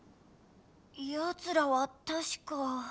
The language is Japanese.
やつらはたしか。